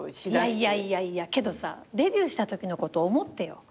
いやいやいやいやけどさデビューしたときのこと思ってよ。